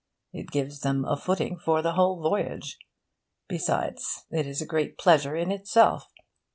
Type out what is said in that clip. It gives them a footing for the whole voyage. Besides, it is a great pleasure in itself.